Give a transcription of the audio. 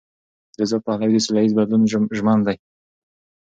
رضا پهلوي د سولهییز بدلون ژمن دی.